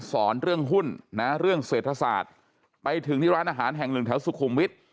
สอนเรื่องหุ้นนะเรื่องเศรษฐศาสตร์ไปถึงที่ร้านอาหารแห่งหนึ่งแถวสุขุมวิทย์